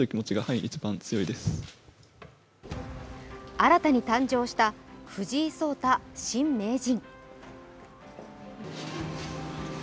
新たに誕生した藤井聡太新名人。